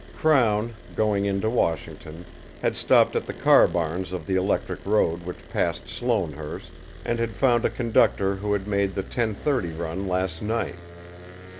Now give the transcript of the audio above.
Crown, going in to Washington, had stopped at the car barns of the electric road which passed Sloanehurst, and had found a conductor who had made the ten thirty run last night.